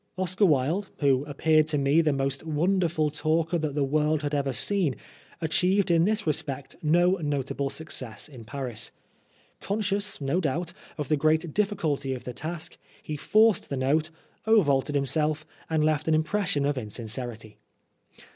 Oscar Wilde, who appeared to me the most wonderful talker that the world had ever seen, achieved in this respect no notable success in Paris. Conscious, no doubt, of the great difficulty of the task, he forced the note, o'ervaulted himself, and left an impression of insincerity.